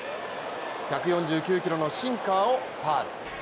１４９キロのシンカーをファウル。